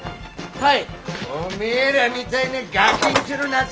はい！